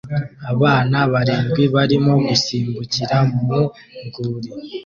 Abana barindwi barimo gusimbukira mu rwuri